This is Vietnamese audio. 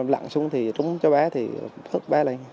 lặn xuống thì trúng cháu bé thì hớt bé lên